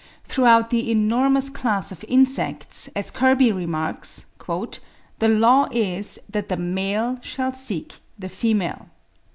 Throughout the enormous class of insects, as Kirby remarks, "the law is that the male shall seek the female."